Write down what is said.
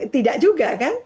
tidak juga kan